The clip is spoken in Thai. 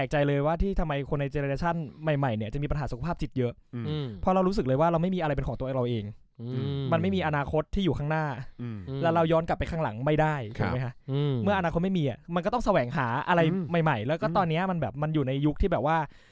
ใช่คือมันอยู่บนฐานของความสิ้นหวังอะแบบ